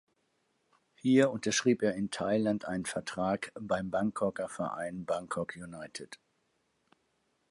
Hier unterschrieb er in Thailand einen Vertrag beim Bangkoker Verein Bangkok United.